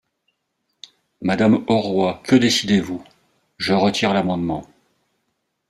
Madame Auroi, que décidez-vous ? Je retire l’amendement.